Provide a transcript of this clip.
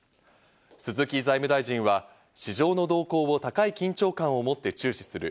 鈴木財務大臣は市場の動向を高い緊張感をもって注視する。